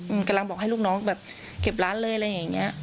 มันกำลังบอกให้ลูกน้องแบบเก็บร้านเลยอะไรอย่างเงี้ย